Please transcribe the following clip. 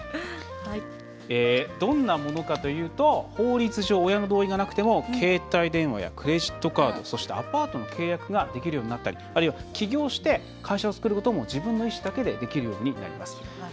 どんなものかというと法律上、親の同意がなくても携帯電話やクレジットカードそして、アパートの契約ができるようになったりあるいは、起業して会社を作ることも自分の意思だけでできるようになります。